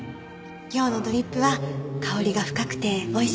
今日のドリップは香りが深くて美味しいですよ。